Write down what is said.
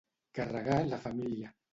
Carregar la família.